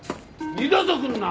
二度と来るな！